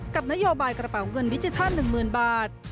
กับนโยบายกระเป๋าเงินดิจิทัล๑๐๐๐บาท